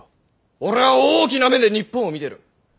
俺は大きな目で日本を見てる！